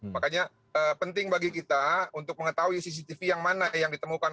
makanya penting bagi kita untuk mengetahui cctv yang mana yang ditemukan